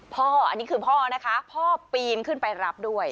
พ่ออันนี้คือพ่อนะคะพ่อปีนขึ้นไปรับด้วย